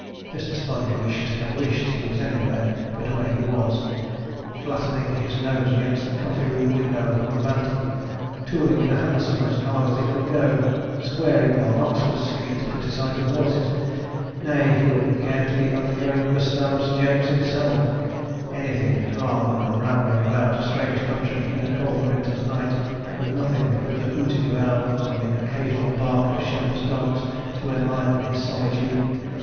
Mr. Sponge wished and wished he was anywhere but where he was flattening his nose against the coffee room window of the Bantam, tooling in a hansom as hard as he could go, squaring along Oxford Street criticizing horses nay, he wouldn't care to be undergoing Gustavus James himself anything, rather than rambling about a strange country in a cold winter's night, with nothing but the hooting of owls and the occasional bark of shepherds' dogs to enliven his solitude.